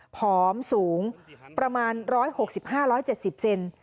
ผอมสูงประมาณร้อยหกสิบห้าร้อยเจ็ดสิบเซน